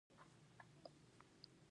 د ایڈینوکارسینوما د غدودي سرطان دی.